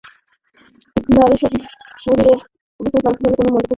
ইকরার শারীরিক অবস্থা সম্পর্কে জানতে চাইলে কোনো মন্তব্য করতে রাজি হননি তিনি।